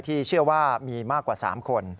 เชื่อว่ามีมากกว่า๓คน